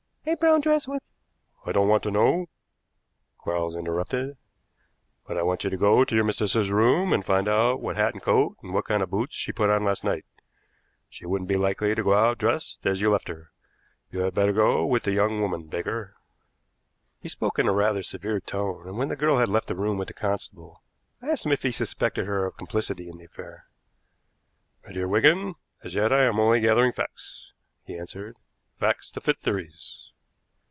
"A brown dress with " "I don't want to know," Quarles interrupted. "But I want you to go to your mistress's room and find out what hat and coat and what kind of boots she put on last night. She wouldn't be likely to go out dressed as you left her. You had better go with the young woman, Baker." He spoke in rather a severe tone, and, when the girl had left the room with the constable, I asked him if he suspected her of complicity in the affair. "My dear Wigan, as yet I am only gathering facts," he answered, "facts to fit theories.